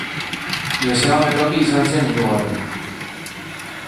Joseba Beloki izan zen hirugarren.